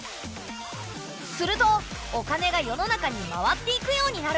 するとお金が世の中に回っていくようになる。